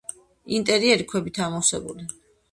ინტერიერი ქვებითაა ამოვსებული.